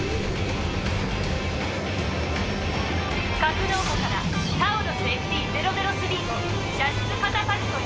格納庫からタウロスＦＴ００３を射出カタパルトへ。